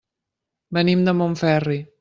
Venim de Montferri.